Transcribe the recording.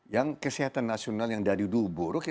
yang kesehatan nasional yang dari dulu buruk